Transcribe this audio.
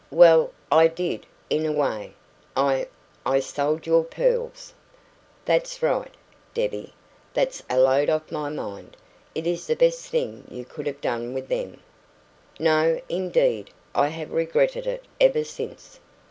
"Well, I did in a way. I I sold your pearls." "That's right, Debbie. That's a load off my mind. It is the best thing you could have done with them." "No, indeed! I have regretted it ever since."